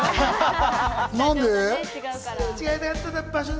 何で？